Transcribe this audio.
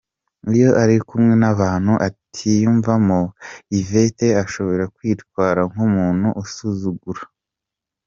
Iyo ari kumwe n’abantu atiyumvamo, Yvette ashobora kwitwara nk’umuntu usuzugura.